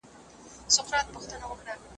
دوی چي ول دا سړی به درواغ وايي